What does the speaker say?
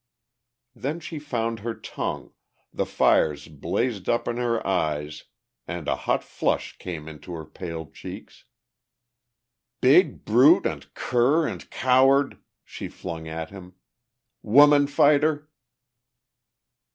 Then she found her tongue, the fires blazed up in her eyes and a hot flush came into her pale cheeks. "Big brute and cur and coward!" she flung at him. "Woman fighter!"